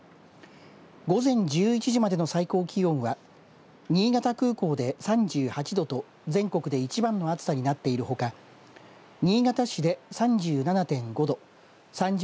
午前１１時までの最高気温は新潟空港で３８度と全国で一番の暑さになっているほか新潟市で３７．５度三条